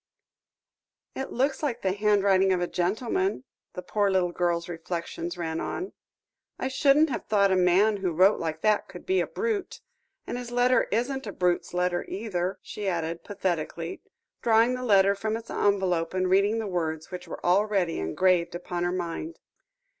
"It looks like the handwriting of a gentleman," the poor little girl's reflections ran on; "I shouldn't have thought a man who wrote like that could be a brute, and his letter isn't a brute's letter either," she added pathetically, drawing the letter from its envelope and reading the words, which were already engraved upon her mind.